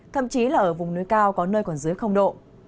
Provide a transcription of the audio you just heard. thậm chí là ở vùng núi cao có nơi còn dưới độ